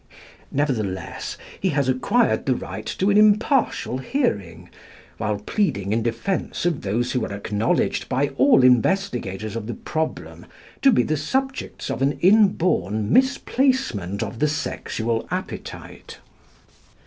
Nevertheless, he has acquired the right to an impartial hearing, while pleading in defence of those who are acknowledged by all investigators of the problem to be the subjects of an inborn misplacement of the sexual appetite.